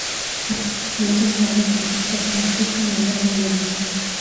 No se sabe con certeza la fecha y lugar donde nació.